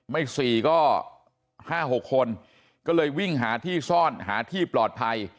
๔ก็๕๖คนก็เลยวิ่งหาที่ซ่อนหาที่ปลอดภัย